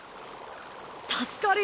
助かるよ。